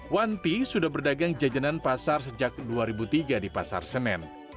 wanti sudah berdagang jajanan pasar sejak dua ribu tiga di pasar senen